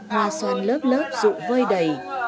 hoa xoan lớp lớp rụ vơi đầy